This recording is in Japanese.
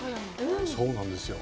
そうなんですよ。